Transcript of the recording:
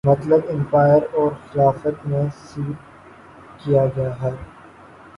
مطلب ایمپائر اور خلافت میں سیٹ کیا گیا ہے